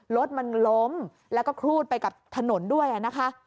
รถมันล้มแล้วก็ครูดไปกับถนนด้วยนะคะ